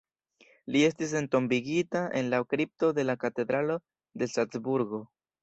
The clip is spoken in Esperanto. Li estis entombigita en la kripto de la Katedralo de Salcburgo.